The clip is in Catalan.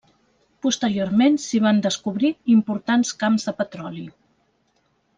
Posteriorment s'hi van descobrir importants camps de petroli.